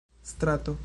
strato